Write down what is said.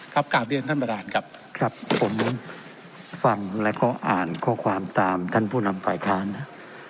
กราบเรียนท่านประธานครับครับผมฟังแล้วก็อ่านข้อความตามท่านผู้นำฝ่ายค้านนะ